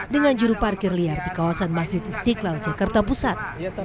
dengan juru parkir liar di kawasan masjid istiqlal jakarta pusat